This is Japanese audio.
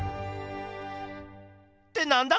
ってなんだ？